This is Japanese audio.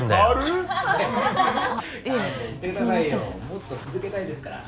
もっと続けたいですから。